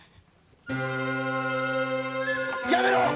やめろ